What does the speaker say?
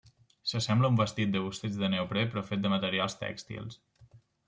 S'assembla a un vestit de busseig de neoprè però fet de materials tèxtils.